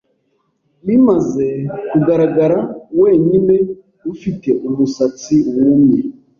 Bimaze kugaragara wenyine ufite umusatsi wumye